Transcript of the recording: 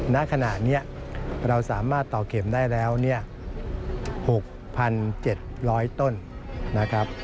ณขณะนี้เราสามารถตอกเข็มได้แล้ว๖๗๐๐ต้น